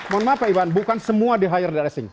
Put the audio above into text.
mohon maaf pak iban bukan semua di higher deresing